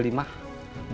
buat bapak surya alsemana